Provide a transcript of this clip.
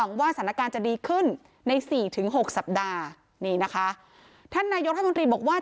ว่าสถานการณ์จะดีขึ้นในสี่ถึงหกสัปดาห์นี่นะคะท่านนายกรัฐมนตรีบอกว่า